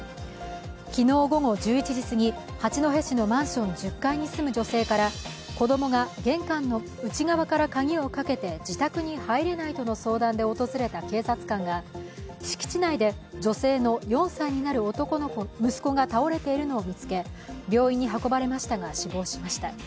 昨日午後１１時すぎ、八戸市のマンション１０階に住む女性から子供が玄関の内側から鍵をかけて自宅に入れないとの相談で訪れた警察官が敷地内で女性の４歳になる息子が倒れているのを見つけ、病院に運ばれましたが、死亡しました。